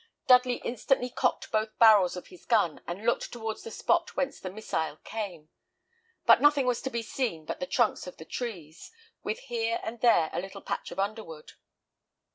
Dudley instantly cocked both barrels of his gun, and looked towards the spot whence the missile came. But nothing was to be seen but the trunks of the trees, with here and there a little patch of underwood.